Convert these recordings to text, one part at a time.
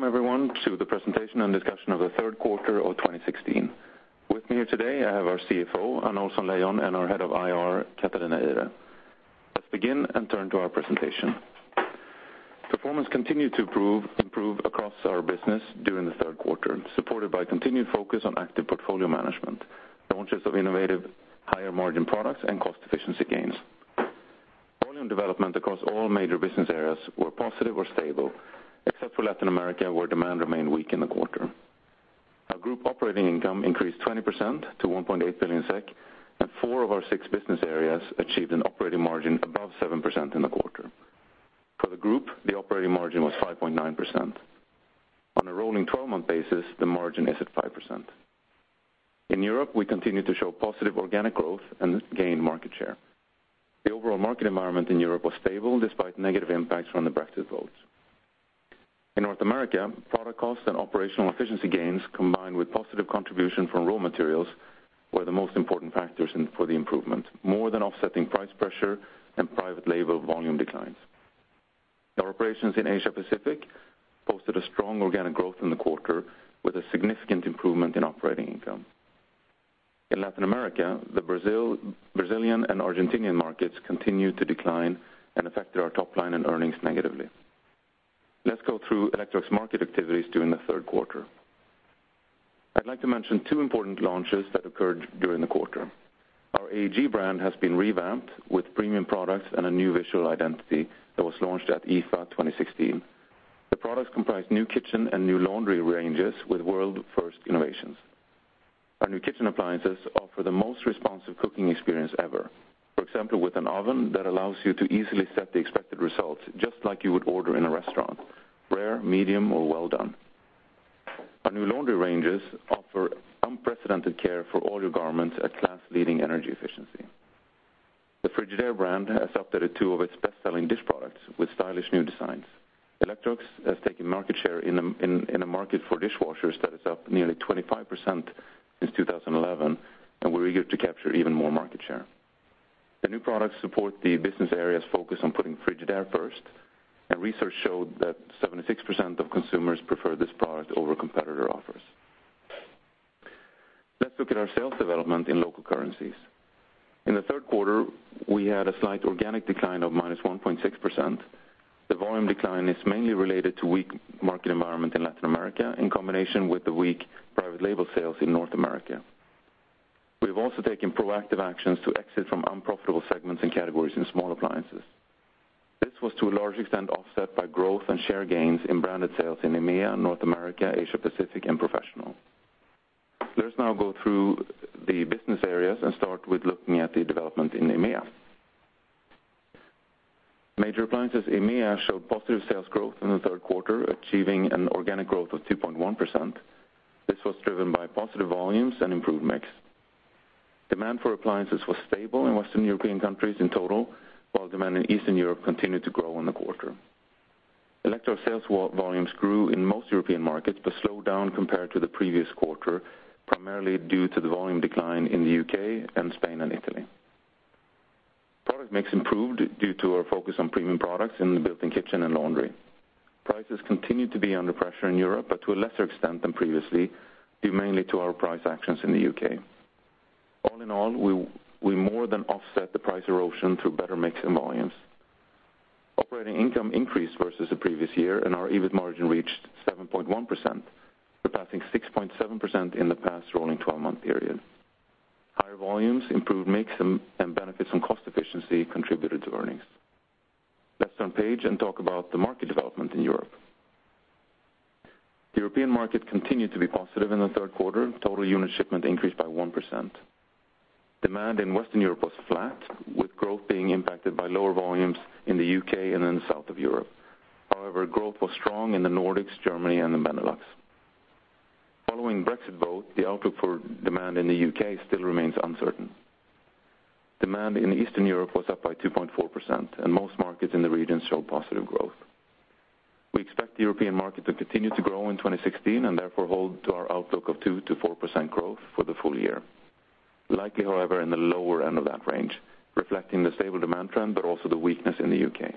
Welcome everyone to the presentation and discussion of the third quarter of 2016. With me here today, I have our CFO, Anna Ohlsson-Leijon, and our Head of IR, Catarina Ihre. Let's begin and turn to our presentation. Performance continued to improve across our business during the third quarter, supported by continued focus on active portfolio management, launches of innovative, higher margin products, and cost efficiency gains. Volume development across all major business areas were positive or stable, except for Latin America, where demand remained weak in the quarter. Our group operating income increased 20% to 1.8 billion SEK, and four of our six business areas achieved an operating margin above 7% in the quarter. For the group, the operating margin was 5.9%. On a rolling twelve-month basis, the margin is at 5%. In Europe, we continued to show positive organic growth and gained market share. The overall market environment in Europe was stable, despite negative impacts from the Brexit votes. In North America, product costs and operational efficiency gains, combined with positive contribution from raw materials, were the most important factors for the improvement, more than offsetting price pressure and private label volume declines. Our operations in Asia Pacific posted a strong organic growth in the quarter, with a significant improvement in operating income. In Latin America, the Brazilian and Argentinian markets continued to decline and affected our top line and earnings negatively. Let's go through Electrolux market activities during the third quarter. I'd like to mention two important launches that occurred during the quarter. Our real brand has been revamped with premium products and a new visual identity that was launched at IFA 2016. The products comprise new kitchen and new laundry ranges with world-first innovations. Our new kitchen appliances offer the most responsive cooking experience ever. For example, with an oven that allows you to easily set the expected results, just like you would order in a restaurant, rare, medium, or well done. Our new laundry ranges offer unprecedented care for all your garments at class-leading energy efficiency. The Frigidaire brand has updated two of its best-selling dish products with stylish new designs. Electrolux has taken market share in a market for dishwashers that is up nearly 25% since 2011, and we're eager to capture even more market share. The new products support the business areas focused on putting Frigidaire first, and research showed that 76% of consumers prefer this product over competitor offers. Let's look at our sales development in local currencies. In the third quarter, we had a slight organic decline of minus 1.6%. The volume decline is mainly related to weak market environment in Latin America, in combination with the weak private label sales in North America. We've also taken proactive actions to exit from unprofitable segments and categories in small appliances. This was, to a large extent, offset by growth and share gains in branded sales in EMEA, North America, Asia Pacific, and professional. Let us now go through the business areas and start with looking at the development in EMEA. Major appliances, EMEA showed positive sales growth in the third quarter, achieving an organic growth of 2.1%. This was driven by positive volumes and improved mix. Demand for appliances was stable in Western European countries in total, while demand in Eastern Europe continued to grow in the quarter. Electrolux sales volumes grew in most European markets, but slowed down compared to the previous quarter, primarily due to the volume decline in the U.K. and Spain and Italy. Product mix improved due to our focus on premium products in the built-in kitchen and laundry. Prices continued to be under pressure in Europe, but to a lesser extent than previously, due mainly to our price actions in the U.K.. All in all, we more than offset the price erosion through better mix and volumes. Operating income increased versus the previous year, and our EBIT margin reached 7.1%, surpassing 6.7% in the past rolling 12-month period. Higher volumes, improved mix, and benefits on cost efficiency contributed to earnings. Let's turn page and talk about the market development in Europe. The European market continued to be positive in the third quarter. Total unit shipment increased by 1%. Demand in Western Europe was flat, with growth being impacted by lower volumes in the U.K. and in the south of Europe. However, growth was strong in the Nordics, Germany, and the Benelux. Following Brexit vote, the outlook for demand in the U.K. still remains uncertain. Demand in Eastern Europe was up by 2.4%, and most markets in the region showed positive growth. We expect the European market to continue to grow in 2016, and therefore hold to our outlook of 2%-4% growth for the full year. Likely, however, in the lower end of that range, reflecting the stable demand trend, but also the weakness in the U.K.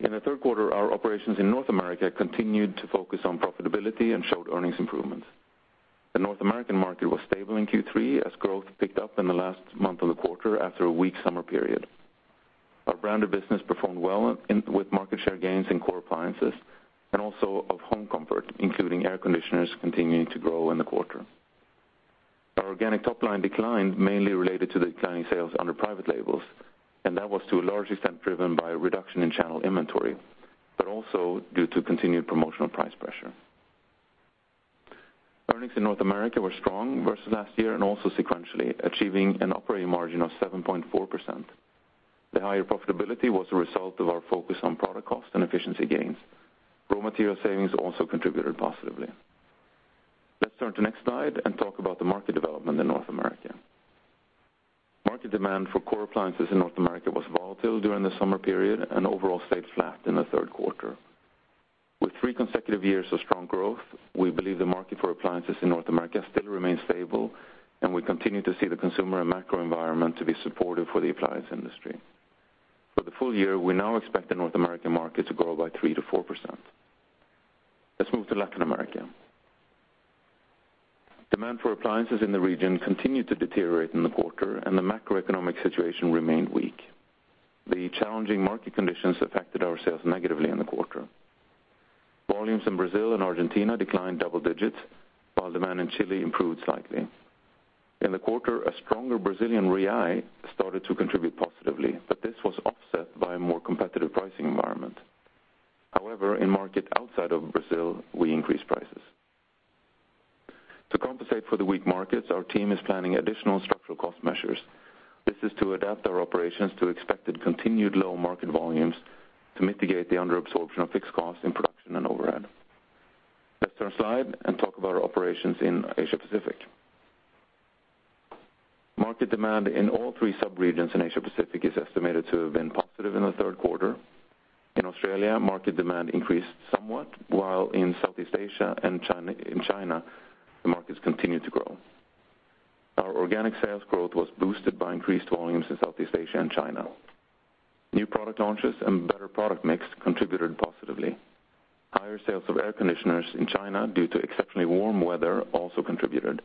In Q3, our operations in North America continued to focus on profitability and showed earnings improvements. The North American market was stable in Q3 as growth picked up in the last month of the quarter after a weak summer period. Our branded business performed well with market share gains in core appliances and also of home comfort, including air conditioners, continuing to grow in the quarter. Our organic top-line declined, mainly related to the declining sales under private labels. That was to a large extent driven by a reduction in channel inventory, but also due to continued promotional price pressure. Earnings in North America were strong versus last year and also sequentially, achieving an operating margin of 7.4%. The higher profitability was a result of our focus on product cost and efficiency gains. Raw material savings also contributed positively. Let's turn to next slide and talk about the market development in North America. Market demand for core appliances in North America was volatile during the summer period overall stayed flat in the third quarter. With three consecutive years of strong growth, we believe the market for appliances in North America still remains stable. We continue to see the consumer and macro environment to be supportive for the appliance industry. For the full year, we now expect the North American market to grow by 3%-4%. Let's move to Latin America. Demand for appliances in the region continued to deteriorate in the quarter. The macroeconomic situation remained weak. The challenging market conditions affected our sales negatively in the quarter. Volumes in Brazil and Argentina declined double digits, while demand in Chile improved slightly. In the quarter, a stronger Brazilian real started to contribute positively. This was offset by a more competitive pricing environment. However, in market outside of Brazil, we increased prices. To compensate for the weak markets, our team is planning additional structural cost measures. This is to adapt our operations to expected continued low market volumes to mitigate the under absorption of fixed costs in production and overhead. Let's turn aside and talk about our operations in Asia Pacific. Market demand in all three sub-regions in Asia Pacific is estimated to have been positive in the third quarter. In Australia, market demand increased somewhat, while in Southeast Asia and China, the markets continued to grow. Our organic sales growth was boosted by increased volumes in Southeast Asia and China. New product launches and better product mix contributed positively. Higher sales of air conditioners in China due to exceptionally warm weather also contributed.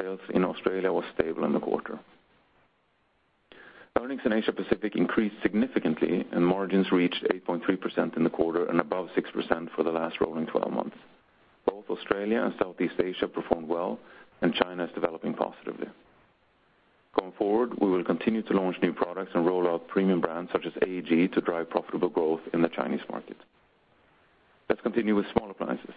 Sales in Australia were stable in the quarter. Earnings in Asia Pacific increased significantly, and margins reached 8.3% in the quarter and above 6% for the last rolling 12 months. Both Australia and Southeast Asia performed well, and China is developing positively. Going forward, we will continue to launch new products and roll out premium brands such as AEG to drive profitable growth in the Chinese market. Let's continue with small appliances.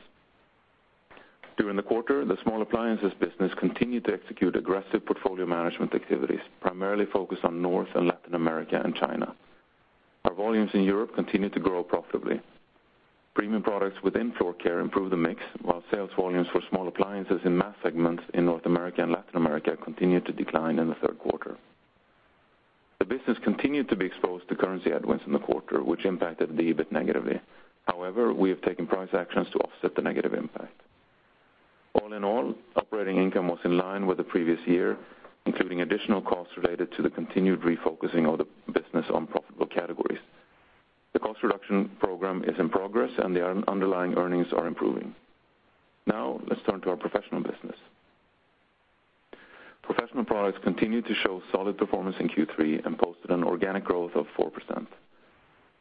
During the quarter, the small appliances business continued to execute aggressive portfolio management activities, primarily focused on North and Latin America and China. Our volumes in Europe continued to grow profitably. Premium products within floor care improved the mix, while sales volumes for small appliances in mass segments in North America and Latin America continued to decline in Q3. The business continued to be exposed to currency headwinds in the quarter, which impacted the EBIT negatively. We have taken price actions to offset the negative impact. All in all, operating income was in line with the previous year, including additional costs related to the continued refocusing of the business on profitable categories. The cost reduction program is in progress, and the underlying earnings are improving. Let's turn to our professional business. Professional products continued to show solid performance in Q3 and posted an organic growth of 4%.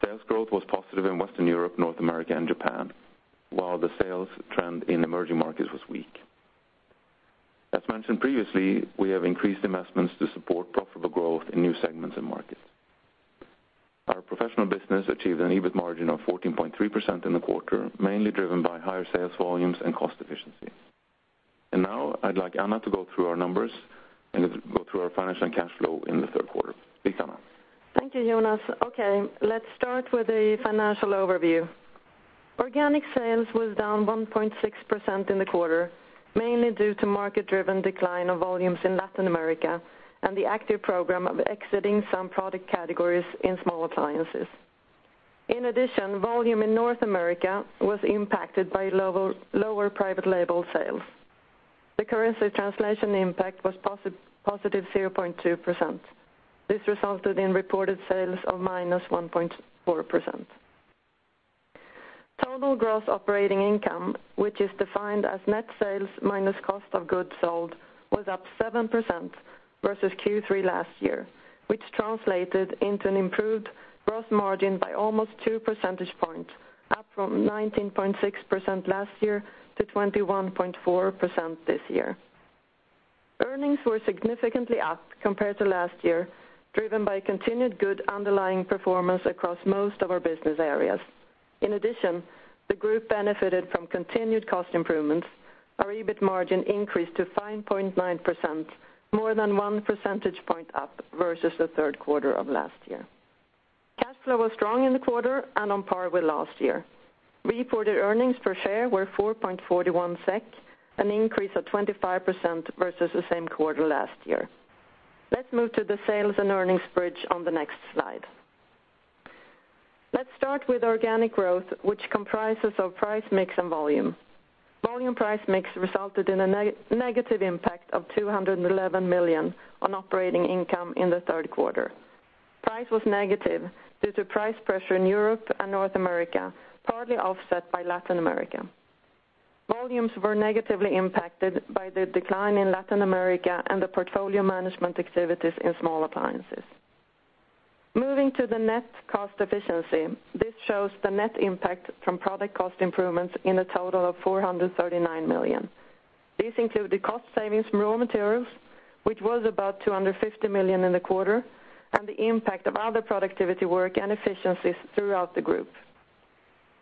Sales growth was positive in Western Europe, North America, and Japan, while the sales trend in emerging markets was weak. As mentioned previously, we have increased investments to support profitable growth in new segments and markets. Our professional business achieved an EBIT margin of 14.3% in the quarter, mainly driven by higher sales volumes and cost efficiency. Now, I'd like Anna to go through our numbers and go through our financial and cash flow in the third quarter. Please, Anna. Thank you, Jonas. Okay, let's start with the financial overview. Organic sales was down 1.6% in the quarter, mainly due to market-driven decline of volumes in Latin America and the active program of exiting some product categories in small appliances. In addition, volume in North America was impacted by lower private label sales. The currency translation impact was +0.2%. This resulted in reported sales of 1.4%-. Total gross operating income, which is defined as net sales minus cost of goods sold, was up 7% versus Q3 last year, which translated into an improved gross margin by almost two percentage points, up from 19.6% last year to 21.4% this year. Earnings were significantly up compared to last year, driven by continued good underlying performance across most of our business areas. In addition, the group benefited from continued cost improvements. Our EBIT margin increased to 5.9%, more than one percentage point up versus the third quarter of last year. Cash flow was strong in the quarter and on par with last year. Reported earnings per share were 4.41 SEK, an increase of 25% versus the same quarter last year. Let's move to the sales and earnings bridge on the next slide. Let's start with organic growth, which comprises of price, mix, and volume. Volume price mix resulted in a negative impact of 211 million on operating income in the third quarter. Price was negative due to price pressure in Europe and North America, partly offset by Latin America. Volumes were negatively impacted by the decline in Latin America and the portfolio management activities in small appliances. Moving to the net cost efficiency, this shows the net impact from product cost improvements in a total of 439 million. These include the cost savings from raw materials, which was about 250 million in the quarter, and the impact of other productivity work and efficiencies throughout the group.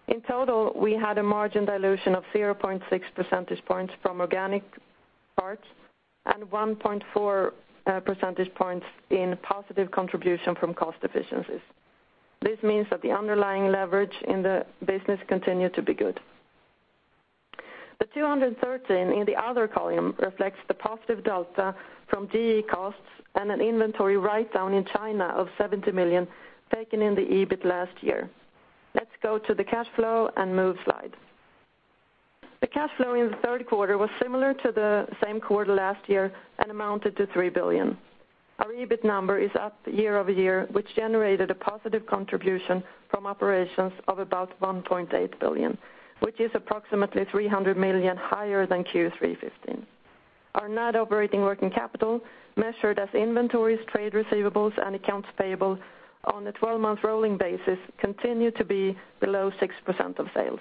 In total, we had a margin dilution of 0.6 percentage points from organic parts and 1.4 percentage points in positive contribution from cost efficiencies. This means that the underlying leverage in the business continued to be good. The 213 in the other column reflects the positive delta from GE costs and an inventory write-down in China of 70 million, taken in the EBIT last year. Let's go to the cash flow and move slide. The cash flow in the third quarter was similar to the same quarter last year and amounted to 3 billion. Our EBIT number is up year-over-year, which generated a positive contribution from operations of about 1.8 billion, which is approximately 300 million higher than Q3 2015. Our net operating working capital, measured as inventories, trade receivables, and accounts payable on a 12-month rolling basis, continue to be below 6% of sales.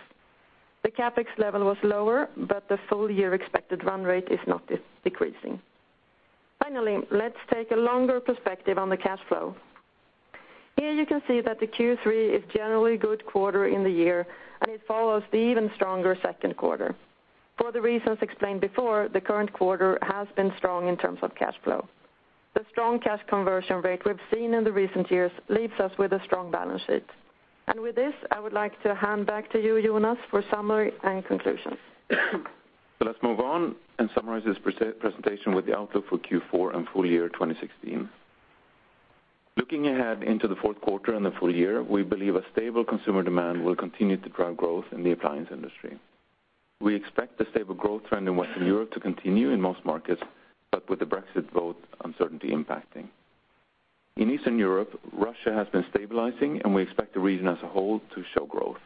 The CapEx level was lower, but the full year expected run rate is not decreasing. Finally, let's take a longer perspective on the cash flow. Here you can see that the Q3 is generally a good quarter in the year, and it follows the even stronger second quarter. For the reasons explained before, the current quarter has been strong in terms of cash flow. The strong cash conversion rate we've seen in the recent years leaves us with a strong balance sheet. With this, I would like to hand back to you, Jonas, for summary and conclusions. Let's move on and summarize this presentation with the outlook for Q4 and full year 2016. Looking ahead into the fourth quarter and the full year, we believe a stable consumer demand will continue to drive growth in the appliance industry. We expect the stable growth trend in Western Europe to continue in most markets, but with the Brexit vote, uncertainty impacting. In Eastern Europe, Russia has been stabilizing, and we expect the region as a whole to show growth.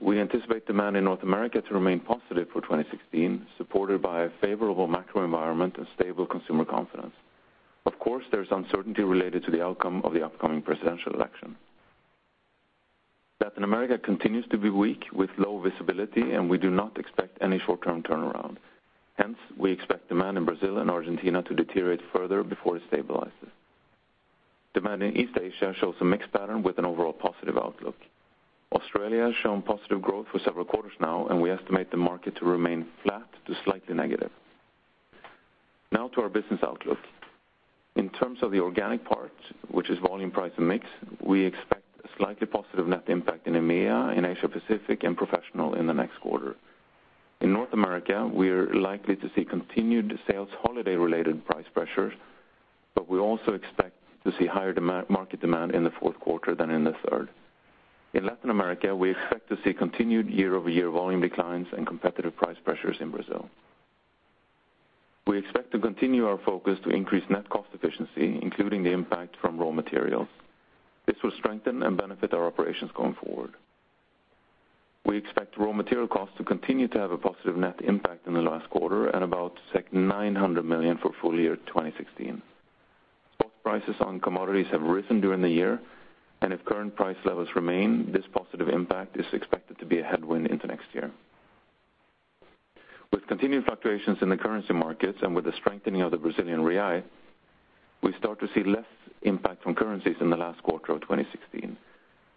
We anticipate demand in North America to remain positive for 2016, supported by a favorable macro environment and stable consumer confidence. Of course, there is uncertainty related to the outcome of the upcoming presidential election. Latin America continues to be weak with low visibility, and we do not expect any short-term turnaround. We expect demand in Brazil and Argentina to deteriorate further before it stabilizes. Demand in East Asia shows a mixed pattern with an overall positive outlook. Australia has shown positive growth for several quarters now, and we estimate the market to remain flat to slightly negative. To our business outlook. In terms of the organic part, which is volume, price, and mix, we expect a slightly positive net impact in EMEA, in Asia Pacific, and professional in the next quarter. In North America, we are likely to see continued sales holiday-related price pressures, but we also expect to see higher demand, market demand in the fourth quarter than in the third. In Latin America, we expect to see continued year-over-year volume declines and competitive price pressures in Brazil. We expect to continue our focus to increase net cost efficiency, including the impact from raw materials. This will strengthen and benefit our operations going forward. We expect raw material costs to continue to have a positive net impact in the last quarter and about 900 million for full year 2016. Spot prices on commodities have risen during the year, and if current price levels remain, this positive impact is expected to be a headwind into next year. With continued fluctuations in the currency markets and with the strengthening of the Brazilian real, we start to see less impact from currencies in the last quarter of 2016.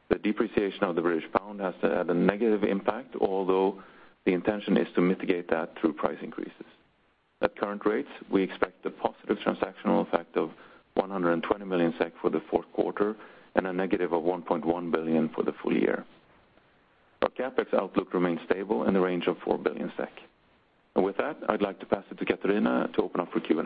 The depreciation of the British pound has to have a negative impact, although the intention is to mitigate that through price increases. At current rates, we expect a positive transactional effect of 120 million SEK for the fourth quarter and a negative of 1.1 billion for the full year. Our CapEx outlook remains stable in the range of 4 billion SEK. With that, I'd like to pass it to Catarina to open up for Q&A.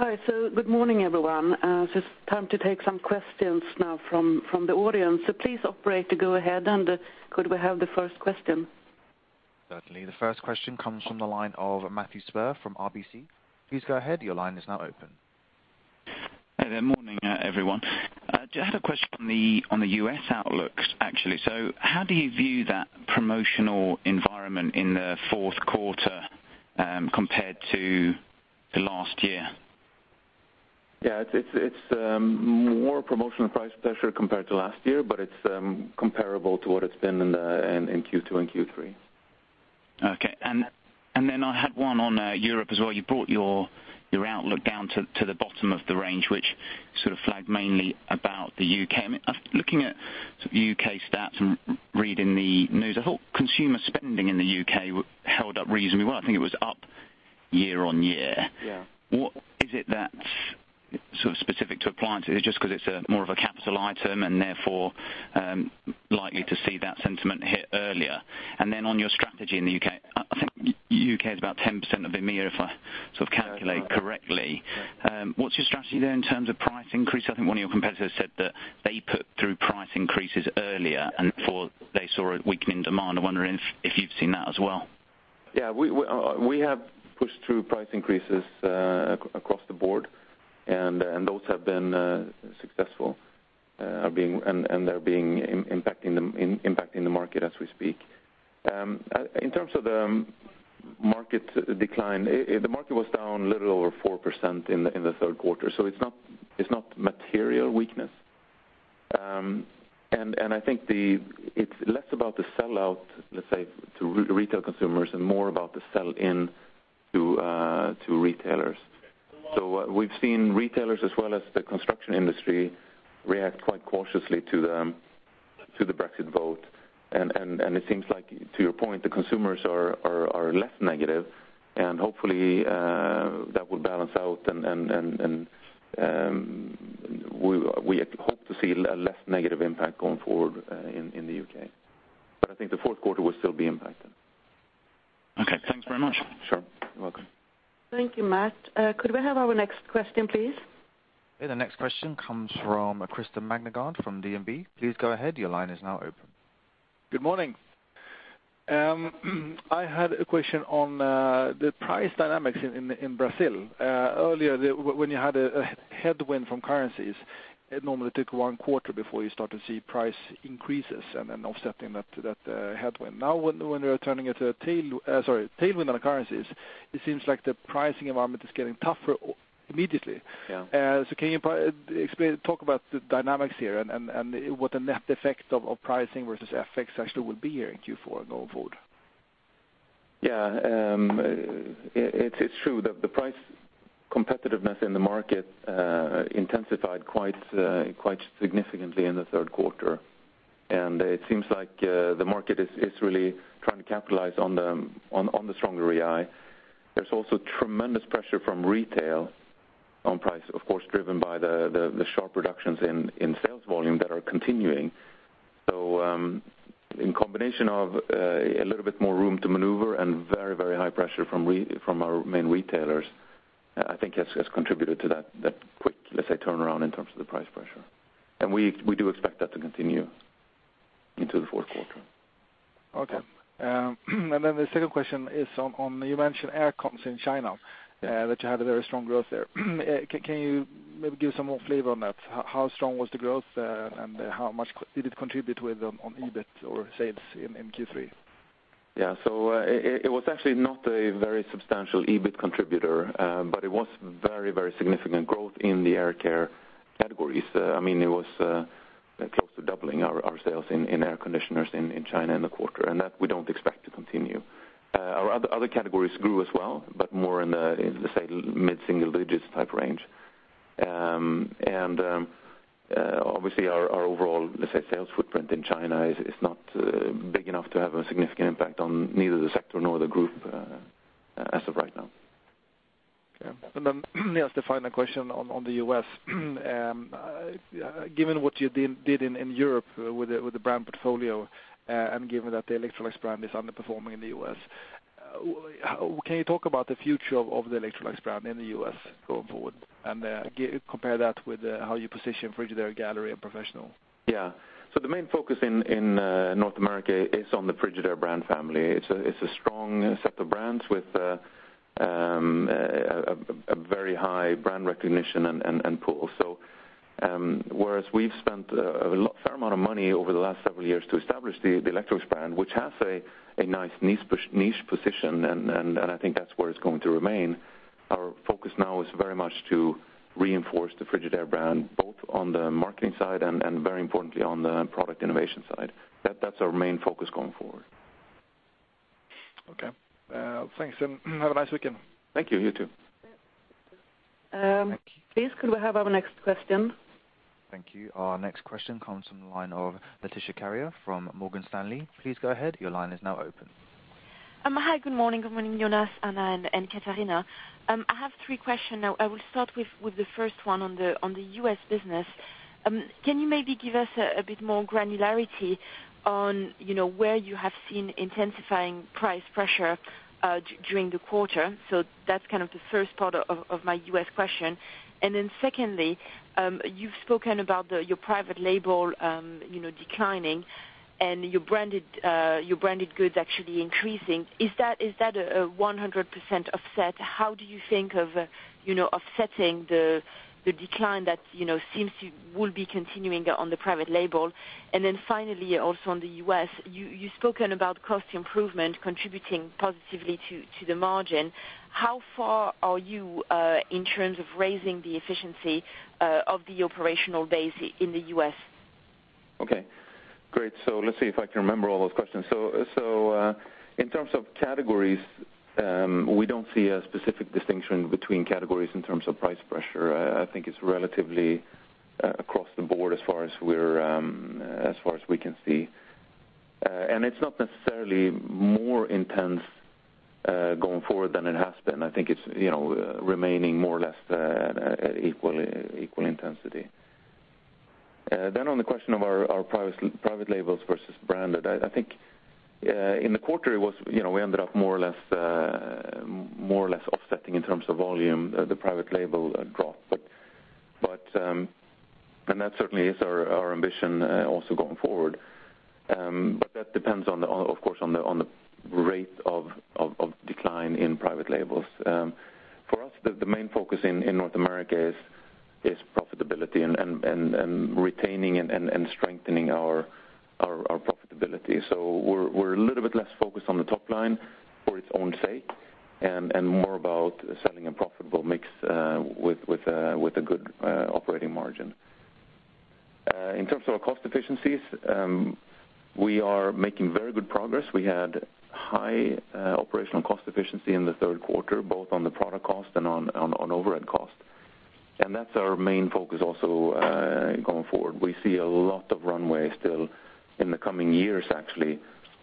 All right, good morning, everyone. It's time to take some questions now from the audience. Please, operator, go ahead. Could we have the first question? Certainly. The first question comes from the line of Matt Hedberg from RBC. Please go ahead. Your line is now open. Hi there. Morning, everyone. Just have a question on the, on the U.S. outlooks, actually. How do you view that promotional environment in the fourth quarter, compared to the last year? Yeah, it's more promotional price pressure compared to last year, but it's comparable to what it's been in Q2 and Q3. Okay. Then I had one on Europe as well. You brought your outlook down to the bottom of the range, which sort of flagged mainly about the U.K.. I mean, looking at sort of U.K. stats and reading the news, I thought consumer spending in the U.K. held up reasonably well. I think it was up year-on-year. Yeah. What is it that's sort of specific to appliances? Is it just because it's a more of a capital item and therefore, likely to see that sentiment hit earlier? Then on your strategy in the U.K., I think U.K. is about 10% of EMEA, if I sort of calculate correctly. Right. What's your strategy there in terms of price increase? I think one of your competitors said that they put through price increases earlier, they saw a weakening demand. I'm wondering if you've seen that as well. We have pushed through price increases, across the board, and those have been successful, are being, and they're being impacting the market as we speak. In terms of the market decline, the market was down a little over 4% in the third quarter, so it's not material weakness. I think the, it's less about the sellout, let's say, to retail consumers and more about the sell-in to retailers. What we've seen retailers as well as the construction industry react quite cautiously to the Brexit vote, and it seems like, to your point, the consumers are less negative, and hopefully, that will balance out and we hope to see a less negative impact going forward in the U.K. I think the fourth quarter will still be impacted. Okay, thanks very much. Sure. You're welcome. Thank you, Matt. Could we have our next question, please? The next question comes from Kristian Koksbang from DNB. Please go ahead, your line is now open. Good morning. I had a question on the price dynamics in Brazil. Earlier, when you had a headwind from currencies, it normally took one quarter before you start to see price increases and then offsetting that headwind. Now, when we are turning it to a tail, sorry, tailwind on currencies, it seems like the pricing environment is getting tougher immediately. Yeah. Can you explain, talk about the dynamics here and what the net effect of pricing versus FX actually will be here in Q4 going forward? It's true that the price competitiveness in the market intensified quite significantly in the third quarter. It seems like the market is really trying to capitalize on the stronger AEG. There's also tremendous pressure from retail on price, of course, driven by the sharp reductions in sales volume that are continuing. In combination of a little bit more room to maneuver and very high pressure from our main retailers, I think has contributed to that quick, let's say, turnaround in terms of the price pressure. We do expect that to continue into the fourth quarter. Okay. The second question is on, you mentioned air cons in China, that you had a very strong growth there. Can you maybe give some more flavor on that? How strong was the growth, and how much did it contribute with on EBIT or sales in Q3? It was actually not a very substantial EBIT contributor, but it was very significant growth in the air care categories. I mean, it was close to doubling our sales in air conditioners in China in the quarter, that we don't expect to continue. Our other categories grew as well, more in, let's say, mid-single digits type range. Obviously, our overall, let's say, sales footprint in China is not big enough to have a significant impact on neither the sector nor the Group as of right now. Okay. Just the final question on the U.S. Given what you did in Europe with the brand portfolio, and given that the Electrolux brand is underperforming in the U.S., can you talk about the future of the Electrolux brand in the U.S. going forward, and compare that with how you position Frigidaire, Gallery, and Professional? The main focus in North America is on the Frigidaire brand family. It's a strong set of brands with a very high brand recognition and pool. Whereas we've spent a fair amount of money over the last several years to establish the Electrolux brand, which has a nice niche position, and I think that's where it's going to remain. Our focus now is very much to reinforce the Frigidaire brand, both on the marketing side and very importantly, on the product innovation side. That's our main focus going forward. Okay. Thanks, and have a nice weekend. Thank you. You, too. Please, could we have our next question? Thank you. Our next question comes from the line of Lucie Carrier from Morgan Stanley. Please go ahead. Your line is now open. Hi, good morning. Good morning, Jonas, Anna, and Catarina. I have three questions. I will start with the first one on the U.S. business. Can you maybe give us a bit more granularity on, you know, where you have seen intensifying price pressure during the quarter? That's kind of the first part of my U.S. question. Secondly, you've spoken about your private label, you know, declining and your branded goods actually increasing. Is that a 100% offset? How do you think of, you know, offsetting the decline that, you know, will be continuing on the private label? Finally, also on the U.S., you've spoken about cost improvement contributing positively to the margin. How far are you, in terms of raising the efficiency, of the operational base in the U.S.? Great. Let's see if I can remember all those questions. In terms of categories, we don't see a specific distinction between categories in terms of price pressure. I think it's relatively across the board as far as we're as far as we can see. It's not necessarily more intense going forward than it has been. I think it's, you know, remaining more or less at equal intensity. On the question of our private labels versus branded, I think in the quarter, it was, you know, we ended up more or less more or less offsetting in terms of volume the private label drop. That certainly is our ambition also going forward. That depends on the, of course, on the rate of decline in private labels. For us, the main focus in North America is profitability and retaining and strengthening our profitability. We're a little bit less focused on the top line for its own sake, and more about selling a profitable mix, with a good operating margin. In terms of our cost efficiencies, we are making very good progress. We had high operational cost efficiency in the third quarter, both on the product cost and on overhead cost. That's our main focus also, going forward. We see a lot of runway still in the coming years, actually,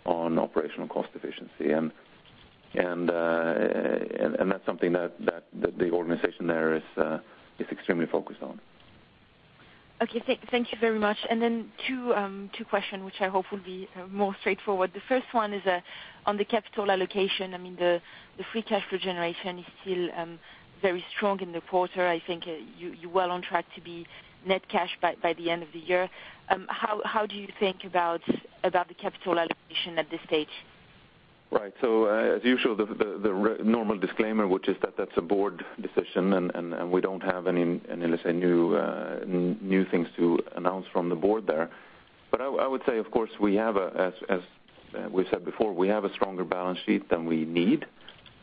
on operational cost efficiency. That's something that the organization there is extremely focused on. Okay, thank you very much. Then two question, which I hope will be more straightforward. The first one is on the capital allocation. I mean, the free cash flow generation is still very strong in the quarter. I think you well on track to be net cash by the end of the year. How do you think about the capital allocation at this stage? Right. As usual, the normal disclaimer, which is that that's a board decision, and we don't have any, let's say, new things to announce from the board there. I would say, of course, we have, as we've said before, a stronger balance sheet than we need.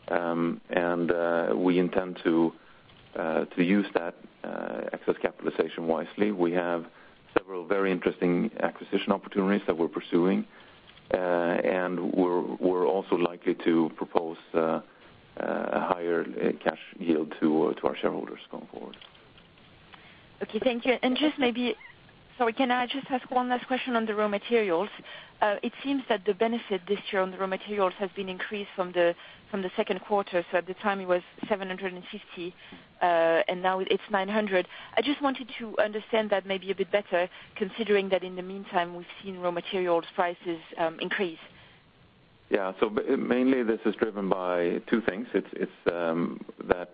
We intend to use that excess capitalization wisely. We have several very interesting acquisition opportunities that we're pursuing, and we're also likely to propose a higher cash yield to our shareholders going forward. Okay, thank you. Sorry, can I just ask one last question on the raw materials? It seems that the benefit this year on the raw materials has been increased from the second quarter. At the time, it was 750, and now it's 900. I just wanted to understand that maybe a bit better, considering that in the meantime, we've seen raw materials prices increase. Yeah. Mainly, this is driven by two things. It's that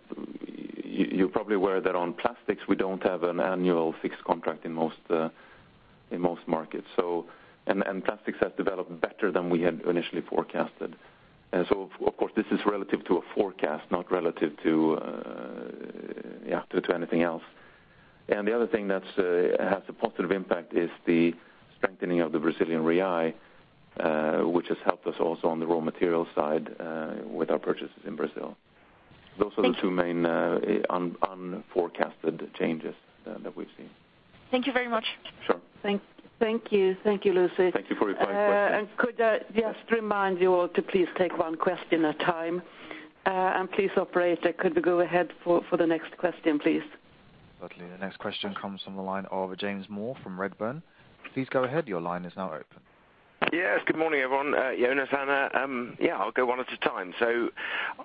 you're probably aware that on plastics, we don't have an annual fixed contract in most markets. Plastics has developed better than we had initially forecasted. Of course, this is relative to a forecast, not relative to, yeah, to anything else. The other thing that's has a positive impact is the strengthening of the Brazilian real, which has helped us also on the raw material side with our purchases in Brazil. Thank you. Those are the two main, unforcasted changes that we've seen. Thank you very much. Sure. Thank you. Thank you, Lucie. Thank you for your five questions. Could I just remind you all to please take one question at a time? Please, operator, could we go ahead for the next question, please? Certainly. The next question comes from the line of James Moore from Redburn. Please go ahead. Your line is now open. Yes, good morning, everyone. Jonas and Anna. I'll go one at a time.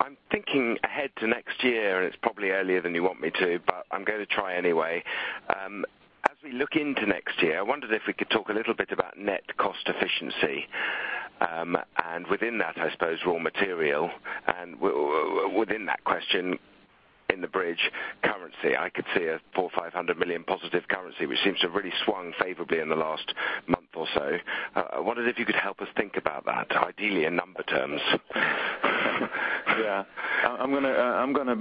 I'm thinking ahead to next year, and it's probably earlier than you want me to, but I'm going to try anyway. As we look into next year, I wondered if we could talk a little bit about net cost efficiency. Within that, I suppose, raw material, and within that question, in the bridge, currency. I could see a 400 million-500 million positive currency, which seems to have really swung favorably in the last month or so. I wondered if you could help us think about that, ideally, in number terms. Yeah. I'm gonna I'm gonna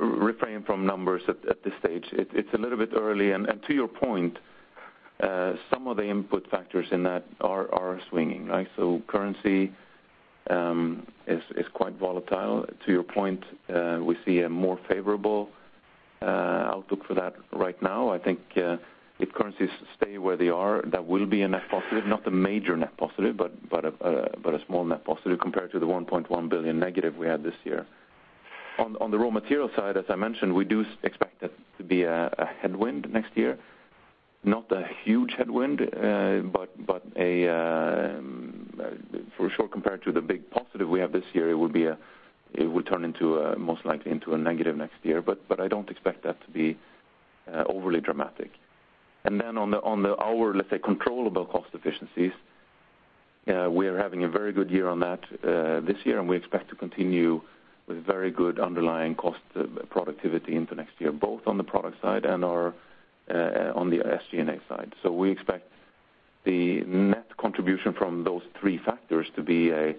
reframe from numbers at this stage. It's a little bit early, and to your point, some of the input factors in that are swinging, right? Currency is quite volatile. To your point, we see a more favorable outlook for that right now. I think, if currencies stay where they are, that will be a net positive, not a major net positive, but a small net positive compared to the 1.1 billion negative we had this year. On the raw material side, as I mentioned, we do expect that to be a headwind next year, not a huge headwind, but a... For sure, compared to the big positive we have this year, it will be a, it will turn into a, most likely, into a negative next year, but I don't expect that to be overly dramatic. On the our, let's say, controllable cost efficiencies, we are having a very good year on that this year, and we expect to continue with very good underlying cost productivity into next year, both on the product side and our on the SG&A side. We expect the net contribution from those three factors to be a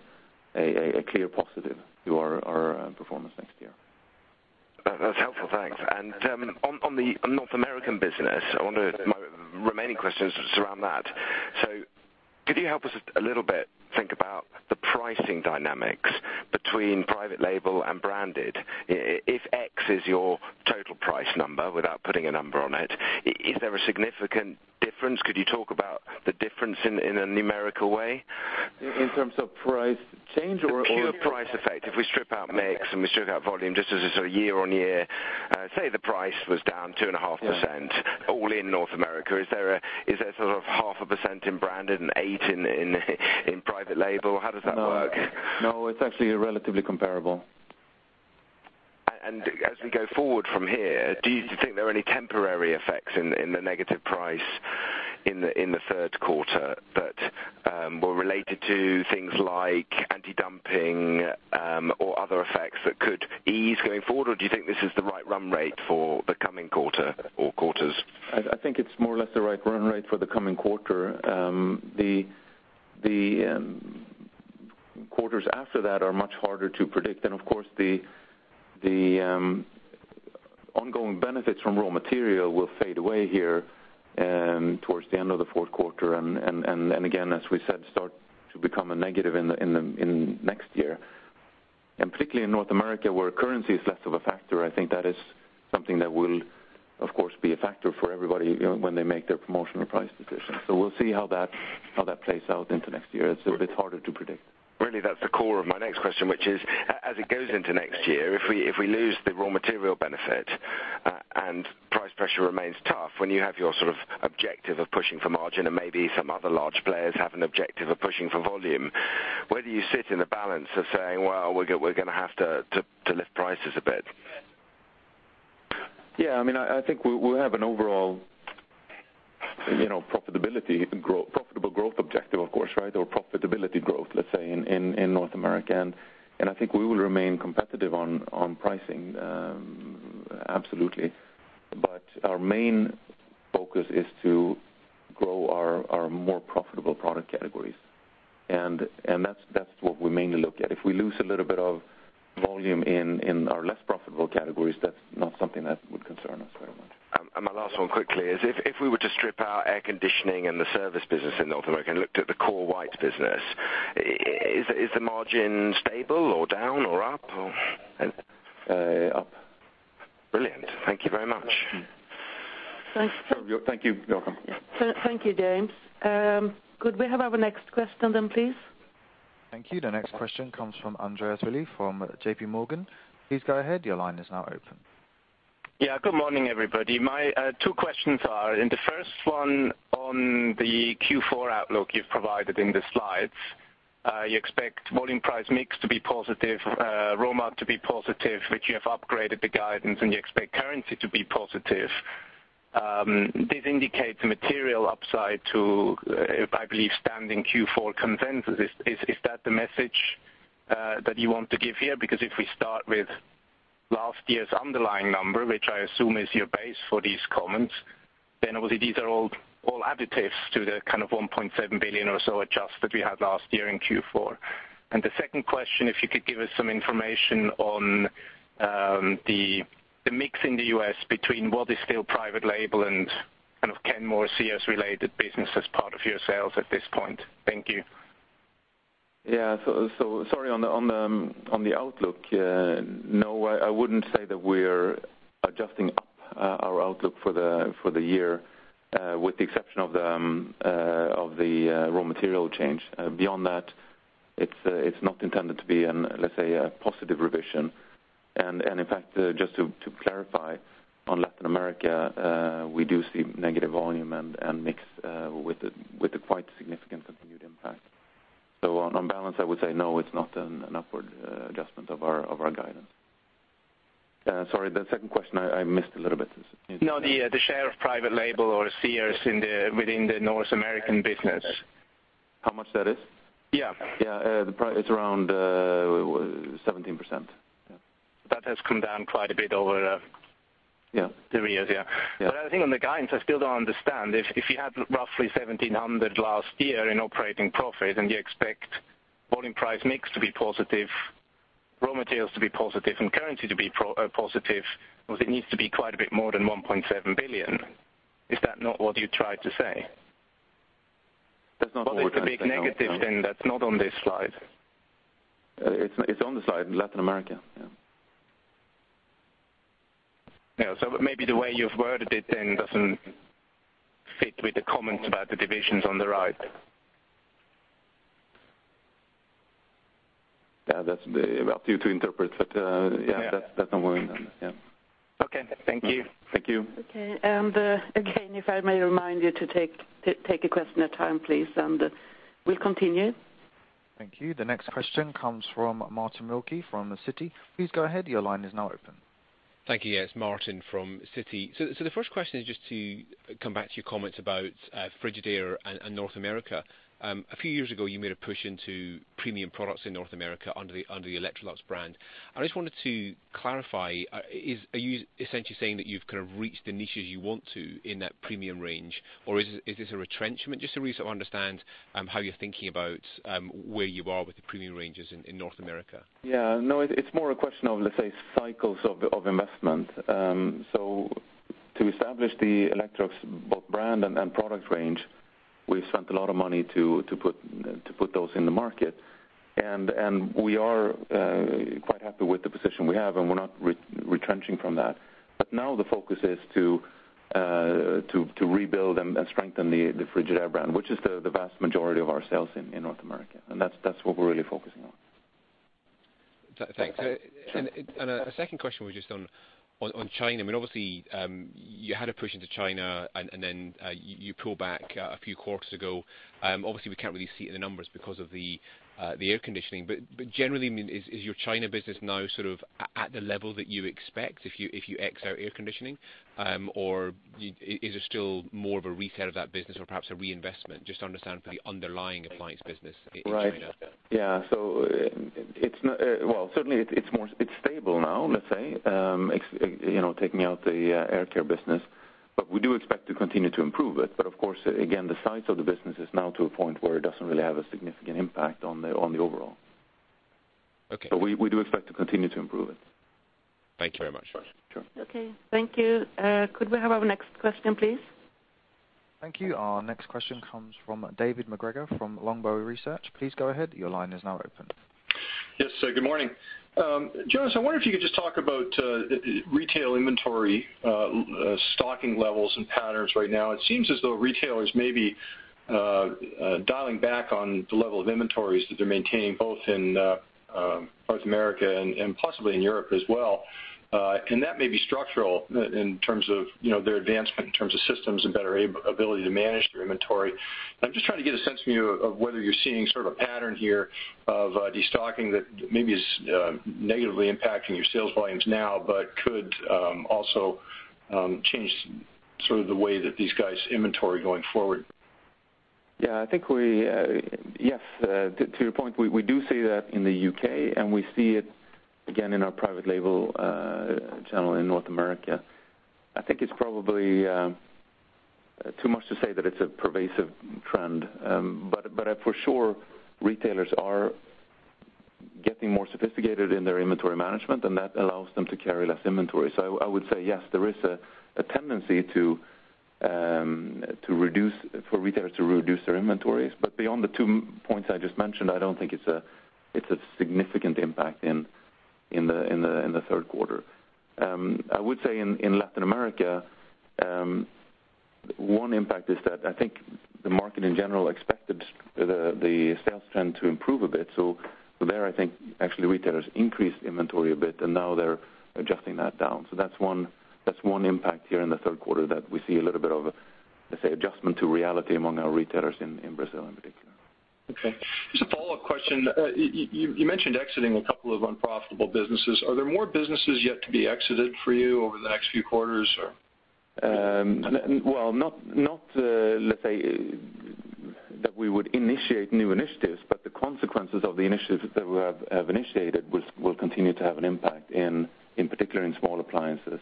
clear positive to our performance next year. That's helpful. Thanks. On the North American business, I wonder, my remaining questions around that. Could you help us a little bit think about the pricing dynamics between private label and branded? If X is your total price number, without putting a number on it, is there a significant difference? Could you talk about the difference in a numerical way? In terms of price change. The pure price effect, if we strip out mix and we strip out volume, just as a sort of year-on-year, say, the price was down 2.5%. Yeah... all in North America, is there a, is there sort of 0.5% in branded and 8% in private label? How does that work? No, no, it's actually relatively comparable. As we go forward from here, do you think there are any temporary effects in the negative price in the third quarter that were related to things like anti-dumping, or other effects that could ease going forward? Or do you think this is the right run rate for the coming quarter or quarters? I think it's more or less the right run rate for the coming quarter. The quarters after that are much harder to predict. Of course, the ongoing benefits from raw material will fade away here towards the end of the fourth quarter, and again, as we said, start to become a negative in next year. Particularly in North America, where currency is less of a factor, I think that is something that will, of course, be a factor for everybody, you know, when they make their promotional price decisions. We'll see how that plays out into next year. It's a bit harder to predict. Really, that's the core of my next question, which is, as it goes into next year, if we lose the raw material benefit, and price pressure remains tough, when you have your sort of objective of pushing for margin and maybe some other large players have an objective of pushing for volume.... where do you sit in the balance of saying, well, we're going to have to lift prices a bit? Yeah, I mean, I think we have an overall, you know, profitability growth, profitable growth objective, of course, right? Profitability growth, let's say, in North America. I think we will remain competitive on pricing, absolutely. Our main focus is to grow our more profitable product categories, and that's what we mainly look at. If we lose a little bit of volume in our less profitable categories, that's not something that would concern us very much. My last one quickly is if we were to strip out air conditioning and the service business in North America and looked at the core whites business, is the margin stable, or down, or up, or? Up. Brilliant. Thank you very much. Thank you. You're welcome. Thank you, James. Could we have our next question then, please? Thank you. The next question comes from Andreas Willi from JP Morgan. Please go ahead. Your line is now open. Yeah. Good morning, everybody. My two questions are. The first one on the Q4 outlook you've provided in the slides. You expect volume price mix to be positive, raw material to be positive, which you have upgraded the guidance. You expect currency to be positive. This indicates a material upside to, I believe, standing Q4 consensus. Is that the message that you want to give here? If we start with last year's underlying number, which I assume is your base for these comments, obviously these are all additives to the kind of 1.7 billion or so adjust that we had last year in Q4. The second question, if you could give us some information on, the mix in the U.S. between what is still private label and kind of Kenmore Sears-related business as part of your sales at this point. Thank you. Yeah. So sorry, on the, on the, on the outlook, no, I wouldn't say that we're adjusting up our outlook for the, for the year, with the exception of the, of the raw material change. Beyond that, it's not intended to be an, let's say, a positive revision. And in fact, just to clarify, on Latin America, we do see negative volume and mix, with a quite significant continued impact. So on balance, I would say, no, it's not an upward adjustment of our, of our guidance. Sorry, the second question I missed a little bit. No, the share of private label or Sears within the North American business. How much that is? Yeah. Yeah, it's around 17%. Yeah. That has come down quite a bit over. Yeah... the years. Yeah. Yeah. I think on the guidance, I still don't understand. If you had roughly 1,700 last year in operating profit, and you expect volume price mix to be positive, raw materials to be positive, and currency to be positive, well, it needs to be quite a bit more than 1.7 billion. Is that not what you tried to say? That's not what we're trying to say, no. What is the big negative, then, that's not on this slide? It's on the slide, Latin America. Yeah. Yeah, maybe the way you've worded it then doesn't fit with the comments about the divisions on the right. Yeah, that's up to you to interpret, but. Yeah Yeah, that's not where I'm at. Yeah. Okay. Thank you. Thank you. Again, if I may remind you to take, to take a question at a time, please, and we'll continue. Thank you. The next question comes from Martin Wilkie from Citi. Please go ahead. Your line is now open. Thank you. Yes, Martin from Citi. The first question is just to come back to your comments about Frigidaire and North America. A few years ago, you made a push into premium products in North America under the Electrolux brand. I just wanted to clarify, are you essentially saying that you've kind of reached the niches you want to in that premium range, or is this a retrenchment? We sort of understand how you're thinking about where you are with the premium ranges in North America. Yeah. No, it's more a question of, let's say, cycles of investment. To establish the Electrolux both brand and product range, we've spent a lot of money to put those in the market. We are quite happy with the position we have, and we're not retrenching from that. Now the focus is to rebuild and strengthen the Frigidaire brand, which is the vast majority of our sales in North America, and that's what we're really focusing on. Thanks. A second question was just on China. I mean, obviously, you had a push into China, and then, you pulled back a few quarters ago. Obviously, we can't really see it in the numbers because of the air conditioning. Generally, I mean, is your China business now sort of at the level that you expect if you X out air conditioning? Is it still more of a reset of that business or perhaps a reinvestment? Just to understand the underlying appliance business in China. Right. Yeah. well, certainly it's more, it's stable now, let's say. you know, taking out the air care business, we do expect to continue to improve it. Of course, again, the size of the business is now to a point where it doesn't really have a significant impact on the overall. Okay. We do expect to continue to improve it. Thank you very much. Sure. Okay. Thank you. Could we have our next question, please? Thank you. Our next question comes from David MacGregor, from Longbow Research. Please go ahead. Your line is now open. Yes. Good morning. Jonas, I wonder if you could just talk about retail inventory stocking levels and patterns right now. It seems as though retailers may be dialing back on the level of inventories that they're maintaining, both in North America and possibly in Europe as well. That may be structural in terms of, you know, their advancement in terms of systems and better ability to manage their inventory. I'm just trying to get a sense from you of whether you're seeing sort of a pattern here of destocking that maybe is negatively impacting your sales volumes now, but could also change sort of the way that these guys inventory going forward?... Yeah, I think we, yes, to your point, we do see that in the U.K., and we see it again in our private label channel in North America. I think it's probably too much to say that it's a pervasive trend. For sure, retailers are getting more sophisticated in their inventory management, that allows them to carry less inventory. I would say, yes, there is a tendency for retailers to reduce their inventories. Beyond the two points I just mentioned, I don't think it's a significant impact in the third quarter. I would say in Latin America, one impact is that I think the market in general expected the sales trend to improve a bit. There, I think, actually, retailers increased inventory a bit, and now they're adjusting that down. That's one impact here in the third quarter that we see a little bit of, let's say, adjustment to reality among our retailers in Brazil in particular. Okay. Just a follow-up question. You mentioned exiting a couple of unprofitable businesses. Are there more businesses yet to be exited for you over the next few quarters, or? Well, not, let's say, that we would initiate new initiatives, but the consequences of the initiatives that we have initiated will continue to have an impact, in particular, in small appliances.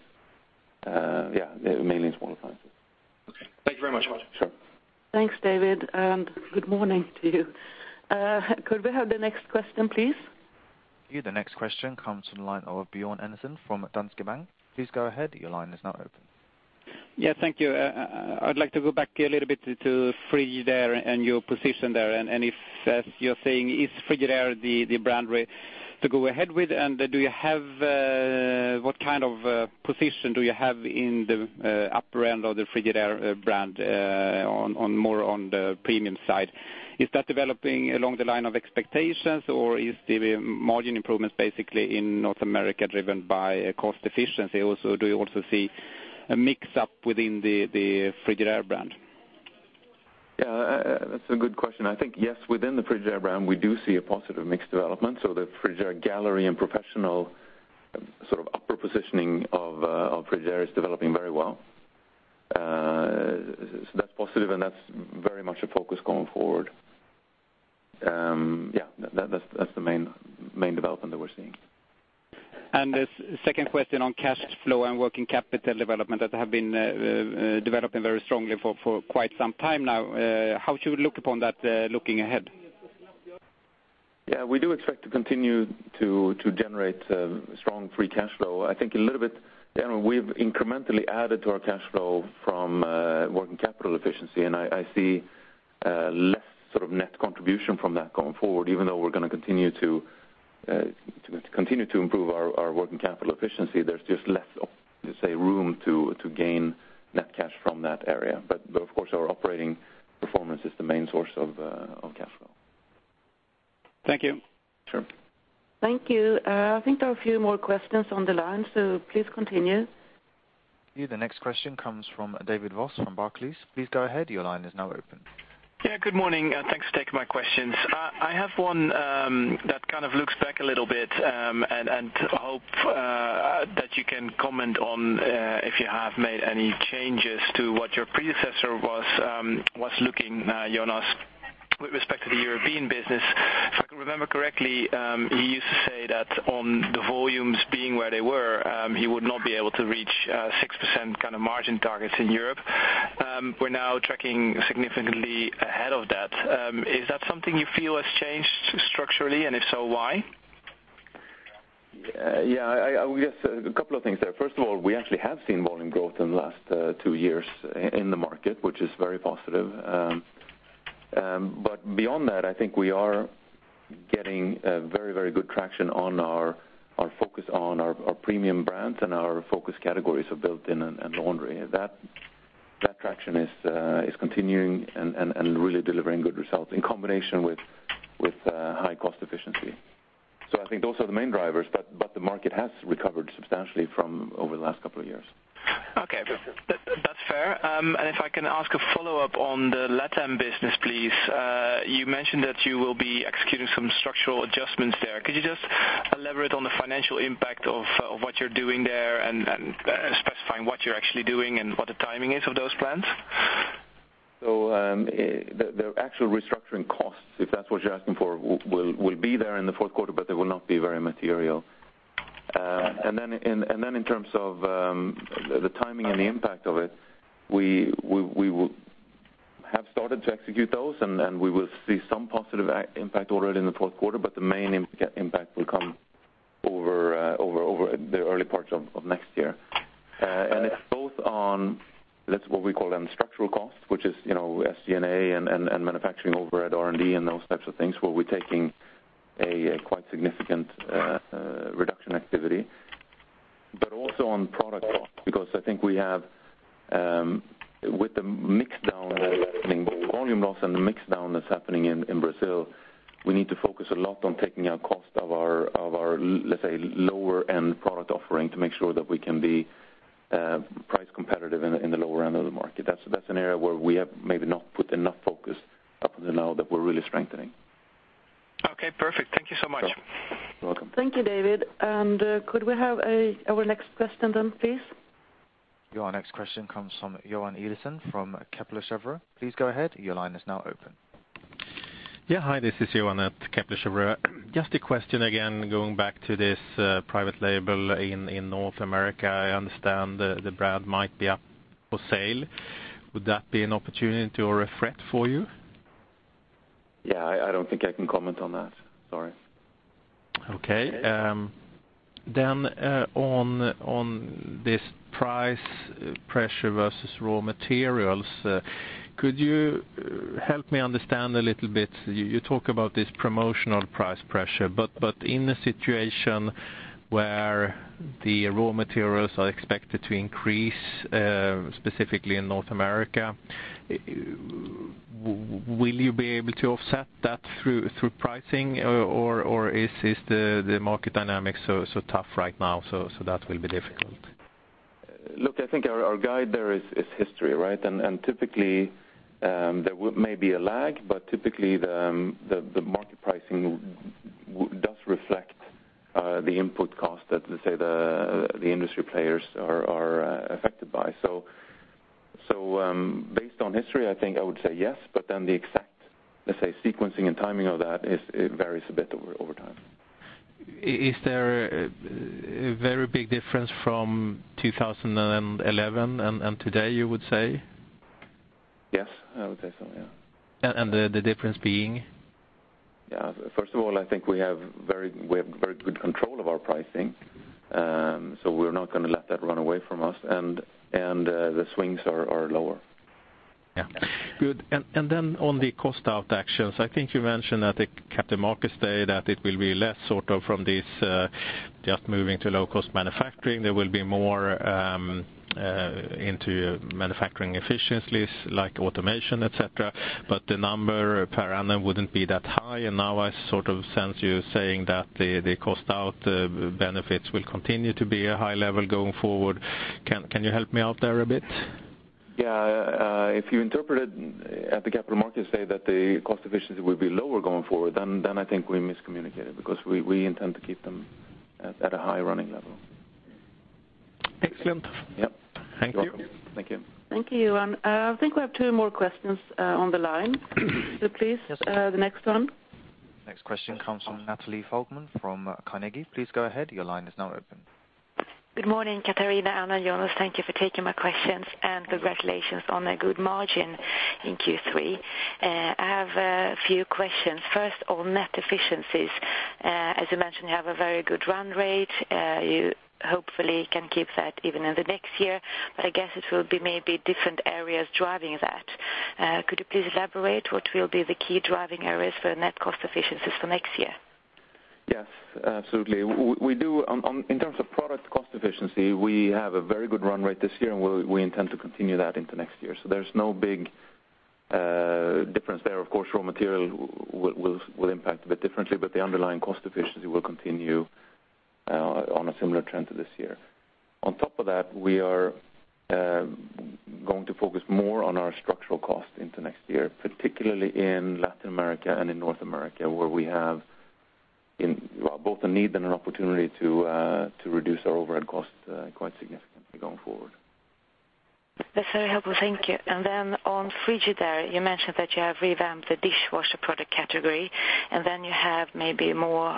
Yeah, mainly in small appliances. Okay. Thank you very much, Jonas. Sure. Thanks, David. Good morning to you. Could we have the next question, please? The next question comes from the line of Björn Enarson from Danske Bank. Please go ahead. Your line is now open. Yeah, thank you. I'd like to go back a little bit to Frigidaire and your position there, and if, as you're saying, is Frigidaire the brand way to go ahead with? Do you have what kind of position you have in the upper end of the Frigidaire brand on more on the premium side? Is that developing along the line of expectations, or is the margin improvements basically in North America, driven by cost efficiency? Do you also see a mix-up within the Frigidaire brand? Yeah, that's a good question. I think, yes, within the Frigidaire brand, we do see a positive mix development. The Frigidaire Gallery and professional sort of upper positioning of Frigidaire is developing very well. That's positive, and that's very much a focus going forward. Yeah, that's the main development that we're seeing. The second question on cash flow and working capital development that have been developing very strongly for quite some time now, how do you look upon that, looking ahead? We do expect to continue to generate strong free cash flow. I think a little bit, then we've incrementally added to our cash flow from working capital efficiency, and I see less sort of net contribution from that going forward, even though we're going to continue to improve our working capital efficiency. There's just less, let's say, room to gain net cash from that area. Of course, our operating performance is the main source of cash flow. Thank you. Sure. Thank you. I think there are a few more questions on the line. Please continue. The next question comes from David Vos from Barclays. Please go ahead. Your line is now open. Yeah, good morning. Thanks for taking my questions. I have one that kind of looks back a little bit and hope that you can comment on if you have made any changes to what your predecessor was looking, Jonas, with respect to the European business. If I can remember correctly, he used to say that on the volumes being where they were, he would not be able to reach 6% kind of margin targets in Europe. We're now tracking significantly ahead of that. Is that something you feel has changed structurally, and if so, why? Yeah, I guess a couple of things there. First of all, we actually have seen volume growth in the last two years in the market, which is very positive. Beyond that, I think we are getting a very, very good traction on our focus on our premium brands and our focus categories of built-in and laundry. That traction is continuing and really delivering good results in combination with high cost efficiency. I think those are the main drivers, the market has recovered substantially from over the last couple of years. Okay, that's fair. If I can ask a follow-up on the LATAM business, please. You mentioned that you will be executing some structural adjustments there. Could you just elaborate on the financial impact of what you're doing there and specifying what you're actually doing and what the timing is of those plans? The actual restructuring costs, if that's what you're asking for, will be there in the fourth quarter, but they will not be very material. In terms of the timing and the impact of it, we will have started to execute those, and we will see some positive impact already in the fourth quarter, but the main impact will come over the early parts of next year. It's both on, let's what we call them, structural costs, which is, you know, SG&A and manufacturing over at R&D and those types of things, where we're taking a quite significant reduction activity, but also on product costs, because I think we have, with the mix down happening, both volume loss and the mix down that's happening in Brazil, we need to focus a lot on taking out cost of our, let's say, lower-end product offering to make sure that we can be price competitive in the lower end of the market. That's an area where we have maybe not put enough focus up until now that we're really strengthening. Okay, perfect. Thank you so much! You're welcome. Thank you, David. Could we have our next question then, please? Your next question comes from Johan Eliasson from Kepler Cheuvreux. Please go ahead. Your line is now open. Yeah, hi, this is Johan at Kepler Cheuvreux. Just a question again, going back to this private label in North America. I understand the brand might be up for sale. Would that be an opportunity or a threat for you? Yeah, I don't think I can comment on that. Sorry. On this price pressure versus raw materials, could you help me understand a little bit? You talk about this promotional price pressure, in a situation where the raw materials are expected to increase, specifically in North America, will you be able to offset that through pricing? Is the market dynamics so tough right now, that will be difficult? Look, I think our guide there is history, right? Typically, there may be a lag, but typically the market pricing does reflect the input cost that, let's say, the industry players are affected by. Based on history, I think I would say yes, but then the exact, let's say, sequencing and timing of that it varies a bit over time. Is there a very big difference from 2011 and today, you would say? Yes, I would say so, yeah. The difference being? First of all, I think we have very good control of our pricing, we're not gonna let that run away from us, and the swings are lower. Yeah. Good. Then on the cost out actions, I think you mentioned at the Capital Markets Day that it will be less sort of from this, just moving to low-cost manufacturing. There will be more into manufacturing efficiencies like automation, et cetera, but the number per annum wouldn't be that high. Now I sort of sense you saying that the cost out benefits will continue to be a high level going forward. Can you help me out there a bit? Yeah, if you interpreted at the Capital Markets Day that the cost efficiency will be lower going forward, then I think we miscommunicated, because we intend to keep them at a high running level. Excellent. Yep. Thank you. Thank you. Thank you, Johan. I think we have two more questions on the line. Please, the next one. Next question comes from Natalia Folling from Carnegie. Please go ahead. Your line is now open. Good morning, Catarina and Jonas. Thank you for taking my questions, and congratulations on a good margin in Q3. I have a few questions. First, on net efficiencies. As you mentioned, you have a very good run rate. You hopefully can keep that even in the next year, but I guess it will be maybe different areas driving that. Could you please elaborate what will be the key driving areas for net cost efficiencies for next year? Yes, absolutely. We do in terms of product cost efficiency, we have a very good run rate this year, and we intend to continue that into next year. There's no big difference there. Of course, raw material will impact a bit differently, but the underlying cost efficiency will continue on a similar trend to this year. On top of that, we are going to focus more on our structural cost into next year, particularly in Latin America and in North America, where we have well, both a need and an opportunity to reduce our overhead costs quite significantly going forward. That's very helpful. Thank you. On Frigidaire, you mentioned that you have revamped the dishwasher product category, you have maybe more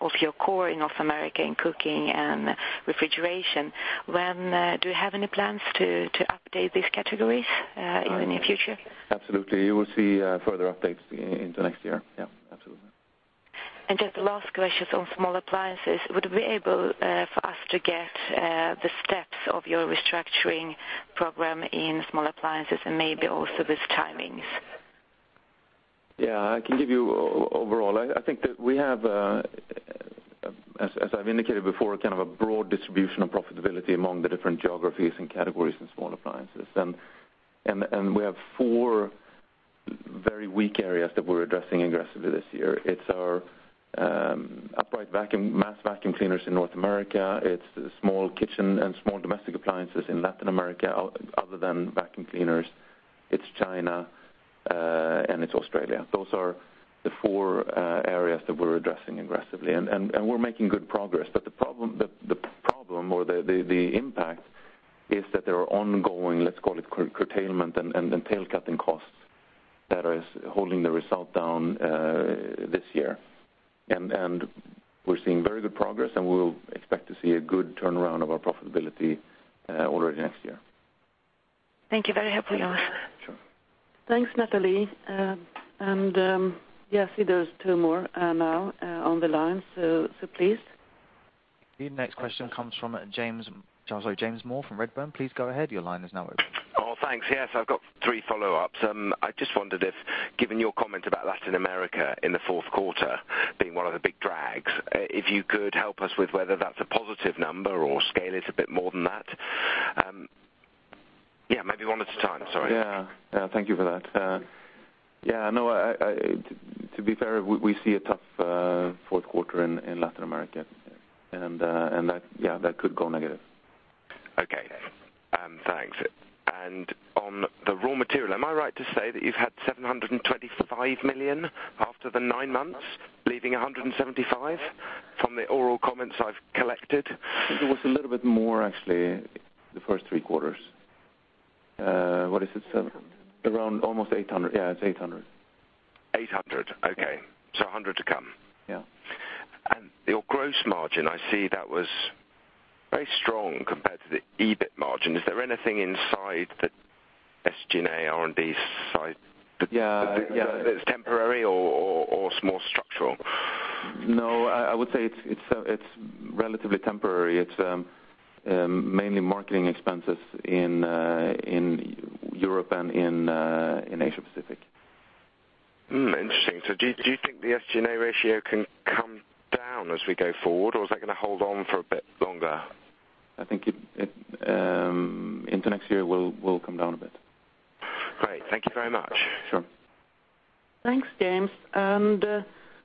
of your core in North America in cooking and refrigeration. When do you have any plans to update these categories in the near future? Absolutely. You will see further updates into next year. Yeah, absolutely. Just the last question on small appliances. Would you be able for us to get the steps of your restructuring program in small appliances and maybe also these timings? Yeah, I can give you overall. I think that we have as I've indicated before, kind of a broad distribution of profitability among the different geographies and categories in small appliances. We have four very weak areas that we're addressing aggressively this year. It's our upright vacuum, mass vacuum cleaners in North America. It's small kitchen and small domestic appliances in Latin America, other than vacuum cleaners. It's China and it's Australia. Those are the four areas that we're addressing aggressively, and we're making good progress. The problem or the impact is that there are ongoing, let's call it curtailment and tail cutting costs that is holding the result down this year. We're seeing very good progress, and we'll expect to see a good turnaround of our profitability already next year. Thank you. Very helpful, Jonas. Sure. Thanks, Natalie. Yes, there's 2 more, now, on the line, so please. The next question comes from James Moore from Redburn. Please go ahead. Your line is now open. Oh, thanks. Yes, I've got three follow-ups. I just wondered if, given your comment about Latin America in the fourth quarter being one of the big drags, if you could help us with whether that's a positive number or scale it a bit more than that? Yeah, maybe one at a time. Sorry. Yeah. Yeah, thank you for that. Yeah, no, I... To be fair, we see a tough fourth quarter in Latin America, and that, yeah, that could go negative. On the raw material, am I right to say that you've had 725 million after the nine months, leaving 175? From the oral comments I've collected. It was a little bit more, actually, the first three quarters. What is it? Around almost 800. Yeah, it's 800. 800, okay. So 100 to come. Yeah. Your gross margin, I see that was very strong compared to the EBIT margin. Is there anything inside the SG&A, R&D side, yeah, that's temporary or more structural? No, I would say it's relatively temporary. It's mainly marketing expenses in Europe and in Asia Pacific. Hmm, interesting. Do you think the SG&A ratio can come down as we go forward, or is that gonna hold on for a bit longer? I think it, in the next year, will come down a bit. Great, thank you very much. Sure. Thanks, James. I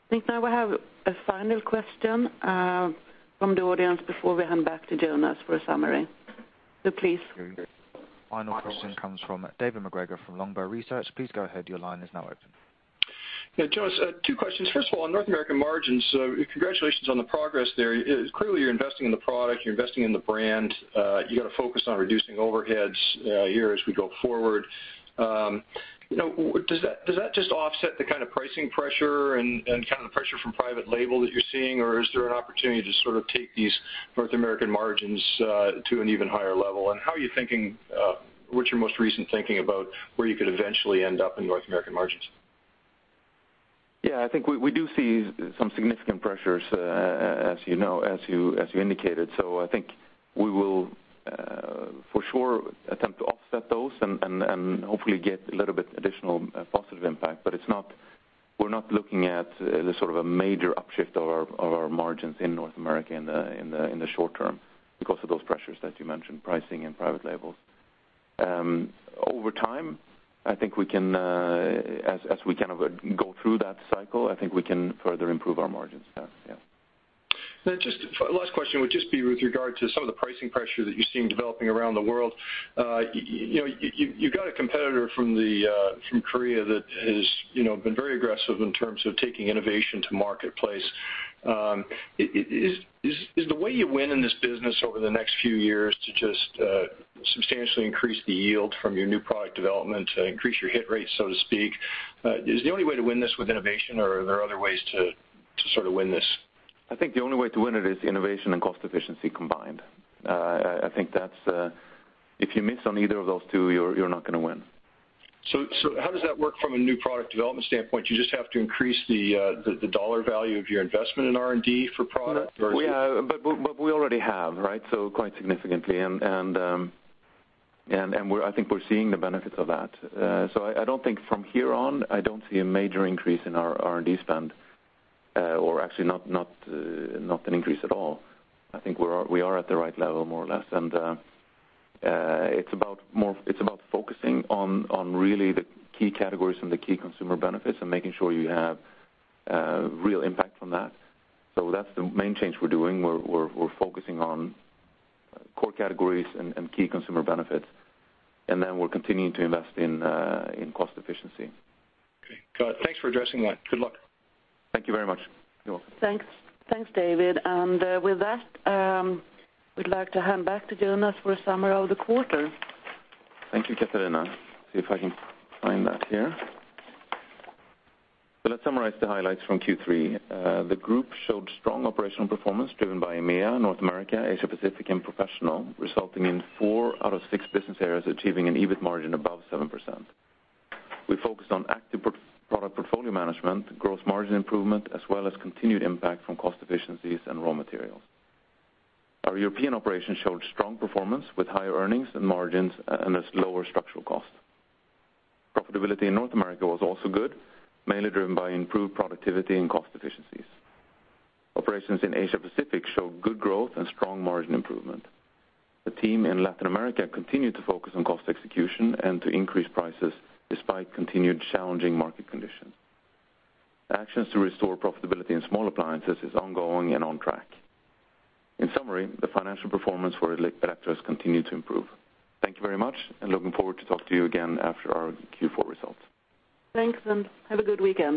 think now we have a final question from the audience before we hand back to Jonas for a summary. Please. Final question comes from David MacGregor from Longbow Research. Please go ahead. Your line is now open. Jonas, two questions. First of all, on North American margins, congratulations on the progress there. Clearly, you're investing in the product, you're investing in the brand, you've got to focus on reducing overheads here as we go forward. Now, does that just offset the kind of pricing pressure and kind of the pressure from private label that you're seeing? Is there an opportunity to sort of take these North American margins to an even higher level? How are you thinking, what's your most recent thinking about where you could eventually end up in North American margins? Yeah, I think we do see some significant pressures, as you know, as you indicated. I think we will, for sure, attempt to offset those and hopefully get a little bit additional positive impact. We're not looking at the sort of a major upshift of our margins in North America in the short term because of those pressures that you mentioned, pricing and private labels. Over time, I think we can, as we kind of go through that cycle, I think we can further improve our margins there, yeah. Just last question would just be with regard to some of the pricing pressure that you're seeing developing around the world. You know, you, you got a competitor from the, from Korea that has, you know, been very aggressive in terms of taking innovation to marketplace. Is the way you win in this business over the next few years to just, substantially increase the yield from your new product development, to increase your hit rate, so to speak? Is the only way to win this with innovation, or are there other ways to sort of win this? I think the only way to win it is innovation and cost efficiency combined. I think that's, if you miss on either of those two, you're not gonna win. How does that work from a new product development standpoint? You just have to increase the dollar value of your investment in R&D for product. We already have, right? Quite significantly, and I think we're seeing the benefits of that. I don't think from here on, I don't see a major increase in our R&D spend, or actually not an increase at all. I think we are at the right level, more or less, and it's about focusing on really the key categories and the key consumer benefits, and making sure you have real impact from that. That's the main change we're doing. We're focusing on core categories and key consumer benefits, we're continuing to invest in cost efficiency. Okay, got it. Thanks for addressing that. Good luck. Thank you very much. You're welcome. Thanks. Thanks, David. With that, we'd like to hand back to Jonas for a summary of the quarter. Thank you, Catarina. See if I can find that here. Let's summarize the highlights from Q3. The group showed strong operational performance driven by EMEA, North America, Asia Pacific, and Professional, resulting in 4 out of 6 business areas achieving an EBIT margin above 7%. We focused on active product portfolio management, gross margin improvement, as well as continued impact from cost efficiencies and raw materials. Our European operations showed strong performance, with higher earnings and margins and as lower structural costs. Profitability in North America was also good, mainly driven by improved productivity and cost efficiencies. Operations in Asia Pacific showed good growth and strong margin improvement. The team in Latin America continued to focus on cost execution and to increase prices despite continued challenging market conditions. Actions to restore profitability in small appliances is ongoing and on track. In summary, the financial performance for Electrolux continued to improve. Thank you very much, and looking forward to talk to you again after our Q4 results. Thanks, and have a good weekend.